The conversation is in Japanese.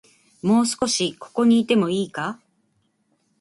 もう少し、ここにいてもいいか